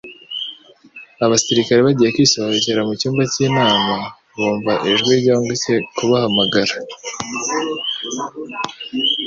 Abasirikari bagiye kwisohokera mu cyumba cy'inama, bumva ijwi ryongcye kubahamagara.